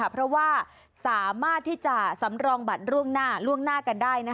เพราะว่าสามารถที่จะสำรองบัตรล่วงหน้าล่วงหน้ากันได้